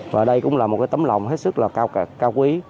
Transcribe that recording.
và đây cũng là một cái tấm lòng hết sức là cao quý